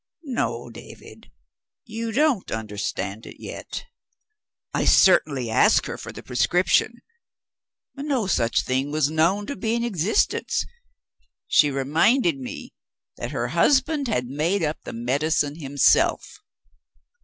"No, David; you don't understand it yet. I certainly asked her for the prescription. No such thing was known to be in existence she reminded me that her husband had made up the medicine himself.